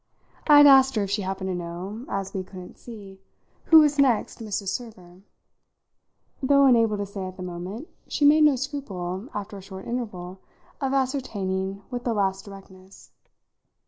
I had asked her if she happened to know, as we couldn't see, who was next Mrs. Server, and, though unable to say at the moment, she made no scruple, after a short interval, of ascertaining with the last directness.